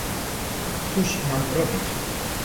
"cóż mam robić!"